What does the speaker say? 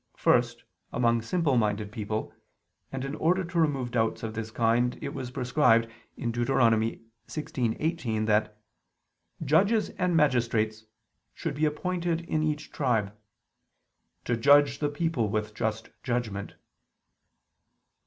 First, among simple minded people: and in order to remove doubts of this kind, it was prescribed (Deut. 16:18) that "judges and magistrates" should be appointed in each tribe, "to judge the people with just judgment."